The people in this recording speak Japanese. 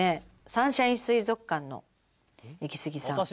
サンシャイン水族館のイキスギさん